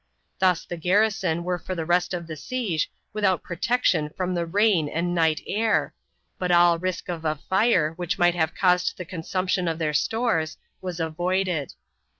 Thus the garrison were for the rest of the siege without protection from the rain and night air, but all risk of a fire, which might have caused the consumption of their stores, was avoided.